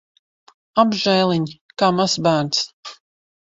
Apžēliņ! Kā mazs bērns.